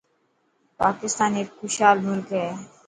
پاڪستان هيڪ خوشحال ملڪ هي.